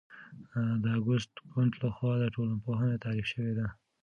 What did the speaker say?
د اګوست کُنت لخوا ټولنپوهنه تعریف شوې ده.